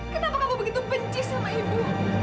kenapa kamu begitu pencis sama ibu